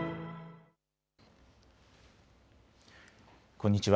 こんにちは。